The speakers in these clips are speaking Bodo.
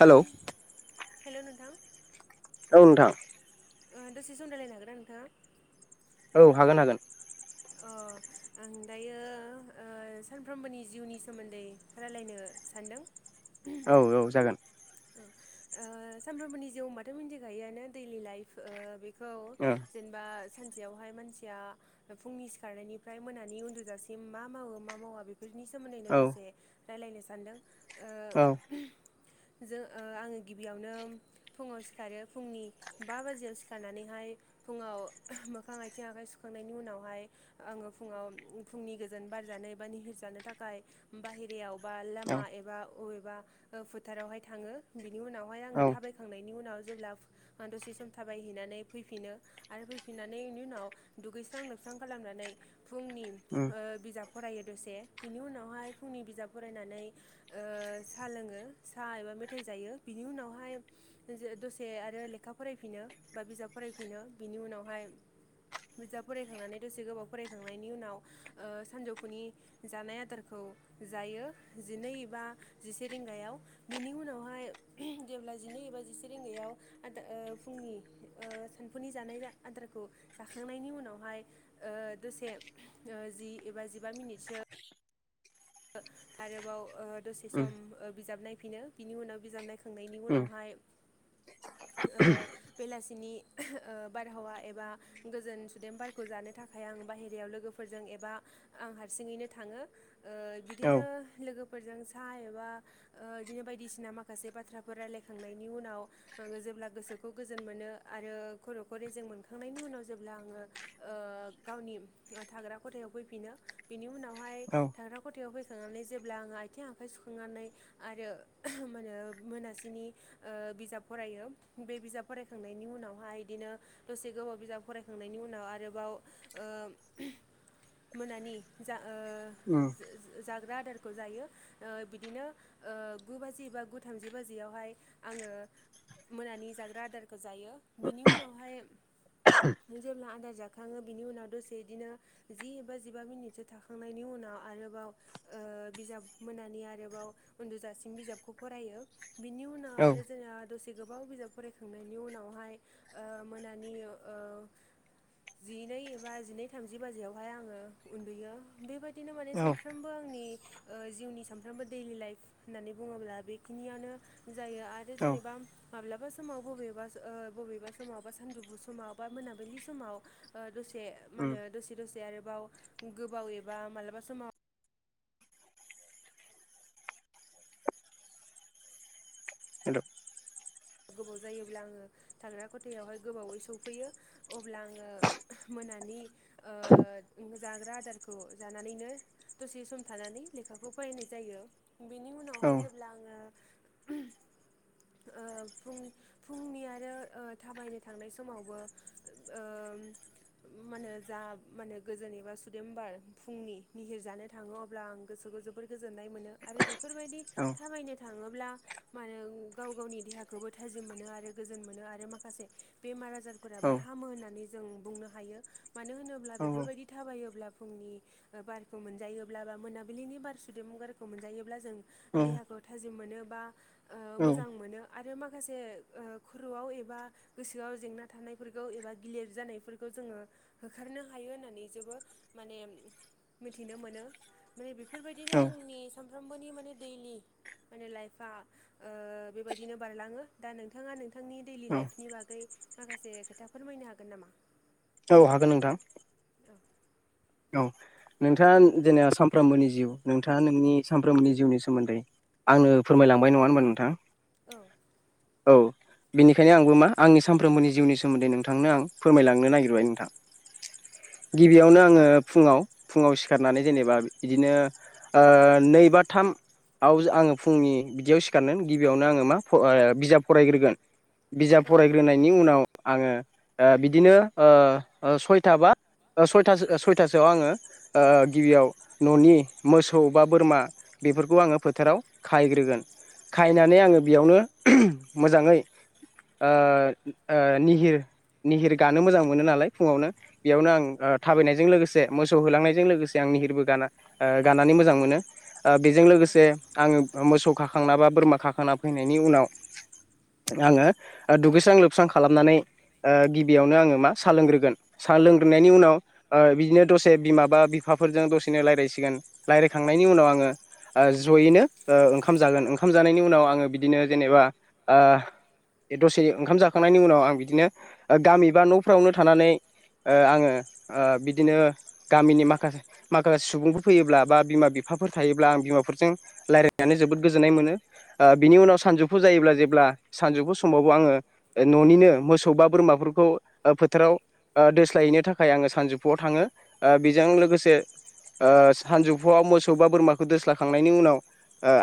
हेल' हेल' नोंथां औ नोंथां दसे सम रायलायनो हागोना नोंथाङा औ हागोन हागोन अ आओं दायो ओ सानफ्रोमबोनि जिउनि सोमोन्दै रायलायनो सान्दों औ औ जागोन सामफ्रोमबोनि जिउ होनबाथ' मिथिखायोआनो दैलि लाइफ खौ औ जेनेबा सानसेयावहाय मानसिया फुंनि सिखारनायनिफ्राय मोनानि उन्दुजासिम मा मावो मा मावा बे बेनि सोमोन्दैनो औ दसे रायलायनो सानदों ओ औ जों आङो गिबियावनो फुङाव सिखारो फुंनि बा बाजियाव सिखारनानैहाय फुङाव मोखां आथिं आखाइ सुखांनायनि उनावहाय आङो फुङाव फुंनि गोजोन बार जाब बा निहोर जानो थाखाय बायेरायाव बा लामा औ एबा बबेबा फोथारावहाय थाङो बिनि उनावहाय आङो औ थाबायखांनायनि उनाव जेब्ला दसे सम थाबायहैनानै फैफिनो आरो फैफिननानैनि उनाव दुगैस्रां लोबस्रां खालामनानै फुंनि उम बिजाब फरायो दसे बिनि उनावहाय फुंनि बिजाब फरायनानै साहा लोङो साहा एबा मेथाइ जायो बिनि उनावहाय दसे आरो लेखा फरायफिनो बा बिजाब फरायफिनो बिनि उनावहाय बिजाब फरायखांनानै दसे गोबाव फरायखांनायनि उनाव सानजौफुनि जानाय आदारखौ जायो जिनै बा जिसे रिंगायाव बिनि उनावहाय जेब्ला जिनै एबा जिसे रिंगायाव आदार फुंनि सानफुनि जानाय आदारखौ जाखांनायनि उनावहाय दसे जि एबा जिबा मिनिटसो आरोबाव दसे उम सम बिजाब नायफिनो बिनि उनाव बिजाब नायखां नायनि उम उनावहाय बेलासिनि बारहावा एबा गोजोन सुदेम बारखौ जानो थाखाय आ बाहेराव लोगोफोरजों एबा आं हारसिङैनो थाङो औ बिदिनो सा एबा बिदिनो बायदिसिना माखासे बाथ्रा राखयलायखांनायनि उनाव जेब्ला गोसोखौ रेजें मोन आरो खरखौ मोनखांनायनि‌ उनाव जेब्ला आङो गावनि थाग्रा खथायाव फैफिनो बिनि उनावहाय औ थाग्रा खथायाव फैखांनानै जेब्ला आङो आथिं आखाइ सुखांनानै आरो माहोनो मोनासिम मोनासिनो बिजाब फरायो बे बिजाब फरायखांनायनि उनावहाय बिदिनो दसे गोबाव बिजाब फराय फरायखांनायनि उनाव आरोबाव मोनानि जा उम ओ जाग्रा आदारखौ जायो बिदिनो गु बाजि बा गु थामजि बाजियावहाय आङो मोनानि जाग्रा आदारखौ जायो बिनि उनावहाय जेब्ला आदार जाखङो बिनि उनाव दसे बिदिनो जि एबा जिबा मिनिटसो थाखांनायनि उनाव आरोबाव बिजाब मोनानि आरोबाव उन्दुजासिम बिजाबखौ फरायो बिनि उन औ आरो जोङा गोबाव बिजाब फरायखांनायनि उनावहाय मोनानि जिनै एबा जिनै थामजि बाजियावहाय आङो उन्दुयो बेबायदिनो माने औ सानफ्रोमबो आंनि जिउनि सानफ्रामबो दैलि लाइफ होननानै बुङोब्ला बेखिनियानो जायो आरो औ जेनेबा आं माब्लाबा समाव बबेबा बबेबा समाव बा सानजौफु समाव बा मोनाबिलि समाव दसे उम माहोनो दसे दसे आरोबाव गोबाव एबा मालाबा समाव हेलौ गोबाव जायोब्ला आङो थाग्रा खथायावहाय गोबावै सौफैयो अब्ला आङो मोनानि जानानै दसे समानानै लेखा खौ फरायनाय जायो बेनि औ उनावहाय जेब्ला आङो फुं फुंनि थाबायनो थांनाय समावबो माहोन जा गोजोन एबा सुदेमबार फुंनि निहिर जानो थाङो अब्ला आं गोसोखौ जोबोर गोजोननाय मोनो आरो बेफोरबायदि औ थाबायनो थाङोब्ला माहोन गाव गावनि देहा खौबो थाजिम मोनो आरो गोजोन मोनो आरो माखासे बेमार आजारफोराबो औ हामो होननानै जों बुंनो हायो मानो होनोब्ला बेफोरबायदि थाबायोब्ला फुंनि बारखौ मोनजायोब्ला बा मोनाबिलिनि बार सुदेम गारखौ मोनजायोब्ला जों देहाखौ थाजिम मोनो बा औ मोजां मोनो आरो माखासे खरवाव एबा गोसोआव जेंना थानायफोरखौ एबा गिलिर जानायफोरखौ जोङो होखारनो हायो होननानै जेबो माने मिथिनो मोनो माने बेफोरबायदिनो औ आंनि सानफ्रामबोनि माने दैलि माने लाइफा बेबायदि बिदिनो बारलाङो दा नोंथाङा नोंथांनि दैलि लाइफनि बागै माखासे खोथाफोर बायनो हागोन नामा औ हागोन नोंथां औ औ नोंथाङा जेनेबा सानफ्रोमबोनि जिउ नोंथाङा नोंनि सानफ्रोमबोनि जिउनि सोमोन्दै आंनो फोरमायलांबाय नङा होनोमबा नोंथां औ औ बेनिखायनो आंबो मा आंनि सानफ्रोमबोनि जिउनि सोमोन्दै नोंथांनो आं फोरमायलांनो नागिरबाय नोंथां गिबियावनो आङो फुङाव फुङाव सिखारनानै जेनेबा बिदिनो नै बा थाम आव आङो फुंनि बिदियाव सिखारग गिबियावनो आङो मा बिजाब फरायग्रोगोन बिजाब औ फरायग्रोनायनि उनाव आङो बिदिनो सयथा बा सयथासो सोआव आङो गिबियाव न'नि मोसौ बा बोरमा बेफोरखौ आङो फोथाराव खायग्रोगोन औ खायनानै आङो बेयावनो मोजाङै निहिर निहिर गानो मोजां मोनो नालाय फुङावनो बेयावनो आं औ थाबायनायजों लोगोसे मोसौ होलांनायजों लोगोसे आं निहिरबो गाना गाननानै मोजां मोनो बेजों औ लोगोसे आङो मोसौ खाखांना बा बोरमा खाखांना फैनायनि उनाव आङो दुगैस्रां लोबस्रां खालामनानै गिबियावनो आङो मा सा लोंग्रोगोन साहा लोंग्रोनायनि उनाव बिदिनो दसे बिमाबा बिफाफोरजों दसेनो रायज्लायसिगोन रायजलायखांनायनि उनाव आङो जयैनो ओंखाम जागोन ओंखाम जानायनि उनाव आङो बिदिनो जेनेबा बे दसे ओंखाम जाखांनायनि उनाव आं बिदिनो गामि बा न'फ्रावनो थानानै आङो बिदिनो गामिनि माखासे माखासे सुबुंफोर फैयोब्ला बा बिमा बिफाफोर थायोब्ला आं बिमाफोरजों रायज्लायनानै नानै‌ जोबोद गोजोननाय मोनो अब्ला सानजौफु समावबो आङो न'निनो मोसौ बा बोरमाफोरखौ फोथाराव दोस्लायहैनो थाखाय आङो सानजौफुआव थाङो बेजों लोगोसे सानजौफुआव मोसौ बा बोरमाखौ दोस्लाखांनायनि उनाव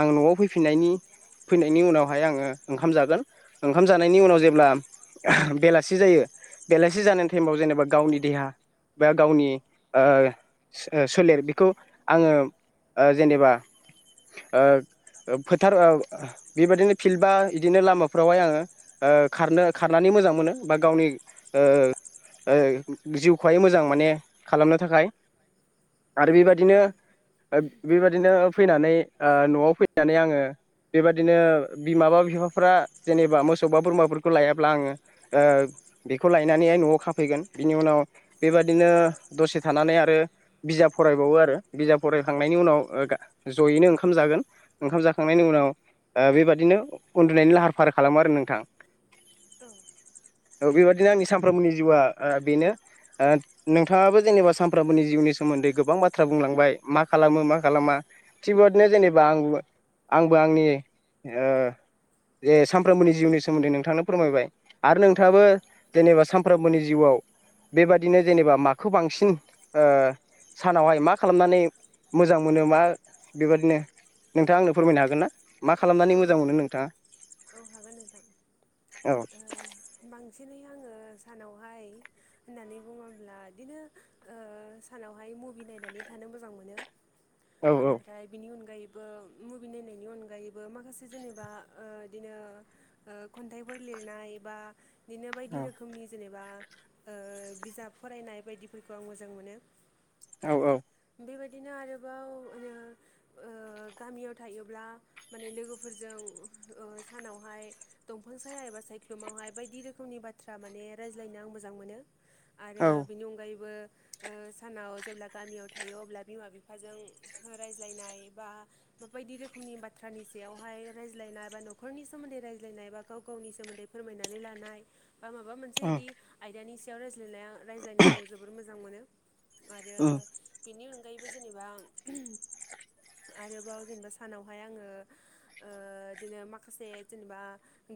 आं न'आव फैफिननायनि फैनायनि उनावहाय आङो ओंखाम जागोन ओंखाम जानायनि उनाव जेब्ला बेलासि जायो बेलासि जानाय टाइमाव जेनेबा गावनि देहा बा गावनि सोलेर बेखौ आङो जेनेबा फोथार बेबायदिनो फिल्ड बा बिदिनो लामाफ्रावहाय आङो खारनो खारनानै मोजां मोनो बा गावनि जिउखौहाय मोजां माने खालामनो थाखाय आरो औ बेबायादिनो बेबायदिनो फैनानै न'आव फैनानै आङो बेबादिनो बिमाबा बिफाफ्रा जेनेबा मोसौ बा बोरमाफोरखौ लायाब्ला आङो बेखौ लायनानैहाय न'आव खाफैगोन बिनि उनाव बेबादिनो दसे थानानै आरो बिजाब फरायबावो आरो बिजाब फरायखांनायनि उनाव जयैनो ओंखाम जागोन ओंखाम जाखांनायनि उनाव बेबादिनो उन्दुनायनि लाहार फाहार खालामो आरो नोंथां औ औ बेबादिनो आंनि सानफ्रोमबोनि जिउआ बेनो नोंथां नोंथांङाबो जेनेबा सानफ्रामबोनि जिउनि सोमोन्दै गोबां बाथ्रा बुंलांबाय मा खालामो मा खालामा थिक बेबायदिनो जेनेबा आंबो आंबो आंनि जे सानफ्रोमबोनि जिउनि सोमोन्दै नोंथांनो फोरमायबाय आरो नोंथाङाबो जेनेबा सानफ्रोमबोनि जिउआव बेबादिनो जेनेबा माखो खौ बांसिन सानावहाय मा खालामनानै मोजां मोनो मा बेबादिनो नोंथाङा आंनो फोरमायनो हागोन ना मा खालामनानै औ मोजां मोनो नोंथाङा औ हागोन नोंथां औ बांसिनै आङो सानावहाय होननानै बुङोब्ला बिदिनो सानावहाय मुभि नायनानै थांयो थानो मोजां मोनो औ औ ओमफ्राय बिनि अनगायैबो मुभि नायनायनि अनगायैबो माखासे जेनेबा बिदिनो खन्थाइफोर लिरनाय बा बिदिनो बायदि रोखोमनि जेनेबा बिजाब फरायनाय बायदिफोरखौ आं मोजां मोनो औ औ बेबायदिनो आरोबाव गामियाव थायोब्ला माने लोगोफोरजों [unintelligible] सानावहाय दंफां साया एबा सायख्लुमावहाय बायदि रोखोमनि बाथ्रा माने रायज्लायनो आं मोजां मोनो आरो औ बेनि अनगायैबो सानाव जेब्ला गामियाव थायो अब्ला बिमा बिफाजों रायज्लायनाय बा बायदि रोखोमनि बाथ्रानि सायावहाय रायज्लायनाय बा नखर न'खरनि सोमोन्दै रायज्लायनाय बा गाव गावनि सोमोन्दै फोरमायनानै लानाय बा माबा मोनसे औ बिदि आयदानि सायाव रायज्लायनाय रायज्लायनो आं जोबोर मोजां मोनो आरो उम बेनि अनगायैबो जेनेबा आरोबाव जेनेबा सानावहाय आङो बिदिनो माखो माखासे जेनेबा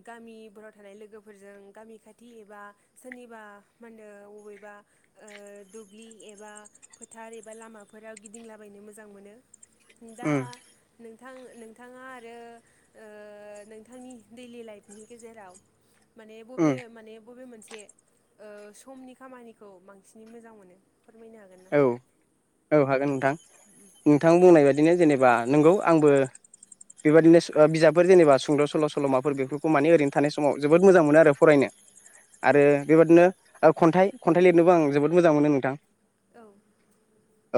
गामिफोराव थानाय लोगोफोरजों गामि खाथि एबा सोरनिबा मा होनो बबेबा दुब्लि एबा फोथार एबा लामाफोराव गिदिंलाबाय नो मोजां मोनो दा उम नोंथ नोंथाङा आरो नोंथांनि दैयलि लाइफनि गेजेराव माने बबे उम माने बबे मोन मोनसे समनि खामानिखौ बांसिनै मोजां मोनो फोरमायनो हागोन ना औ औ हागोन नोंथां नोंथां बुंनाय बादिनो जेनेबा नंगौ आंबो बेबादिनो बिजाबफोर जेनेबा सुंद' सल' सल'माफोर बेफोरखौ माने ओरैनो थानाय समाव जोबोद मोजां मोनो आरो फरायनो आरो औ बेबादिनो खन्थाइ खन्थाइ लिरनोबो आं जोबोद मोजां मोनो नोंथां औ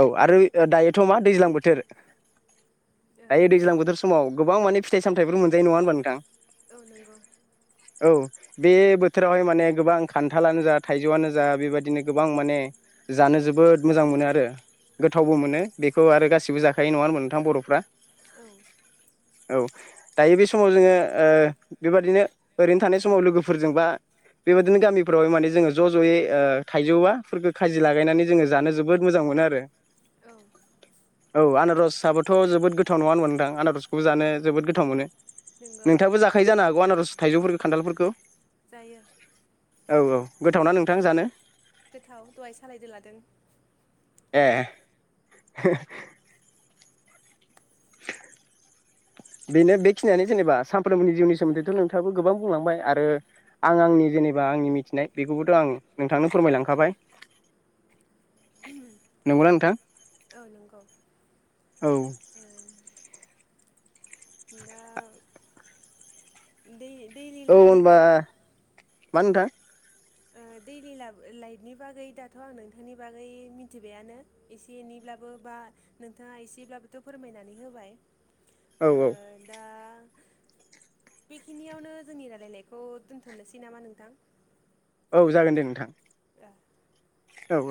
औ आरो दायोथ' मा दैज्लां बोथोर दायो दैज्लां बोथोर समाव गोबां माने फिथाइ-सामथायफोर मोनजायो नङा होनबा नोंथां औ नंगौ औ बे बोथोरावहाय माने गोबां खान्थालानो जा थाइजौआनो जा बेबायदिनो गोबां माने जानो जोबोद मोजां मोनो आरो गोथावबो मोनो बेखौ आरो गासिबो जाखायो नङा होनबा नोंथां बर'फ्रा औ औ दायो बे समाव जोङो बेबादिनो ओरैनो थानाय समाव लोगोफोरजोंबा बेबायदिनो गामिफ्रावाय माने जोङो ज' ज'यै थाइजौवाफोरखो खाजि लागायनानै जोङो जानो जोबोद मोजां मोनो आरो औ औ आनारसाबोथ' जोबोद गोथाव नङा होनबा नोंथां आनारस खौबो औ जानो जोबोद गोथाव मोनो नंगौ नोंथाङाबो जाखायो जानो हागौ आनारस थाइजौफोरखौ खान्थालफोरखौ जायो औ औ गोथावना नोंथां जानो गोथाव दहाय सालायदो लादों ए [inaudible] बेनो बेखिनियानो जेनेबा सानफ्रोमबोनि जिउनि सोमोन्दैथ' नोंथाङाबो गोबां बुंलांबाय आरो आं आंनि जेनेबा आंनि मिथिनाय बेखौबोथ' आं नोंथांनो फोरमायलांखाबाय [inaudible] नंगौना नोंथां औ नंगौ औ ओ दा दै [unintelligible] औ लाइफनि होनबा बागै मा नोंथां ओ दैलि ला लाइफनि बागै दाथ' आं नोंथांनि बागै मिथिबायानो एसे एनैब्लाबो बा नोंथाङा एसेब्लाबोथ' फोरमायनानै होबाय औ ओ औ दा बेखिनियावनो जोंनि रायलायनायखौ दोनथ'नोसै नामा नोंथां औ जागोन दे नोंथां [unintelligible] औ औ